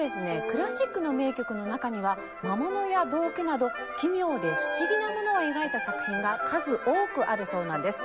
クラシックの名曲の中には魔物や道化など奇妙で不思議なものを描いた作品が数多くあるそうなんです。